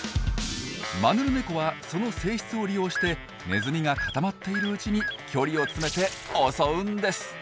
マヌルネコはその性質を利用してネズミが固まっているうちに距離を詰めて襲うんです。